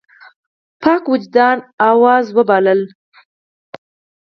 پاک وجدان آواز وباله.